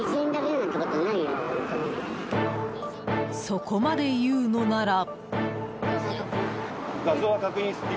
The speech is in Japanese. そこまで言うのなら。